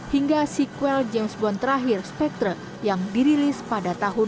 hingga sequel james bond terakhir spectre yang dirilis pada tahun seribu sembilan ratus enam puluh dua